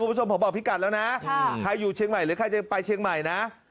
คุณผู้ชมผมบอกพี่กัดแล้วนะใครอยู่เชียงใหม่หรือใครจะไปเชียงใหม่นะ